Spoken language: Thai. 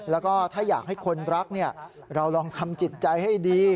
แล้วก็ถ้าอยากให้คนรักเราลองทำจิตใจให้ดี